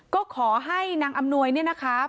ก็ขอให้นางอำนวยเนี่ยนะคะ